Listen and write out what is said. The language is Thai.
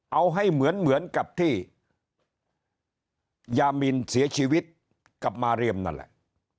เอาให้เหมือนกับที่ยามินเสียชีวิตกับมาเรียมนั่นแหละ